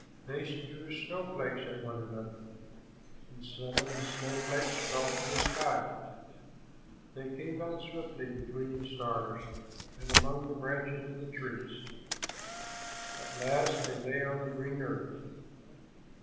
They threw snowflakes at one another, and some of the snowflakes fell from the sky. They came down swiftly between the stars and among the branches of the trees. At last they lay on the green earth.